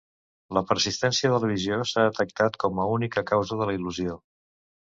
La persistència de la visió s'ha descartat com a única causa de la il·lusió.